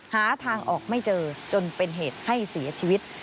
หาทางออกไม่เจอจนเป็นเหตุให้เสียชีวิต